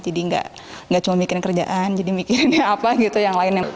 jadi enggak cuma mikirin kerjaan jadi mikirin apa gitu yang lainnya